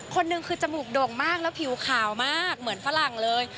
คนหนึ่งคือจมูกโด่งมากแล้วผิวขาวมากเหมือนฝรั่งเลย